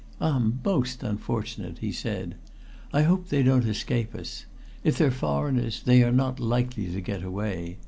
"Ah, most unfortunate!" he said. "I hope they don't escape us. If they're foreigners, they are not likely to get away.